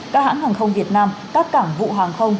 các hãng hàng không việt nam các cảng vụ hàng không